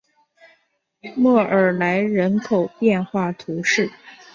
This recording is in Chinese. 莫尔莱人口变化图示